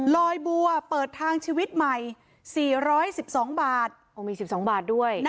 ลอยบัวเปิดทางชีวิตใหม่สี่ร้อยสิบสองบาทมีสิบสองบาทด้วย